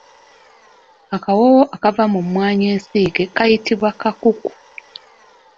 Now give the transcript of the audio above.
Akawoowo akava mu mwanyi ensiike kayitibwa kakuku.